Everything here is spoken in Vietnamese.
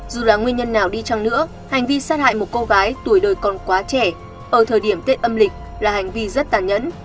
dù là nguyên nhân nào đi chăng nữa hành vi sát hại một cô gái tuổi đời còn quá trẻ ở thời điểm tết âm lịch là hành vi rất tàn nhẫn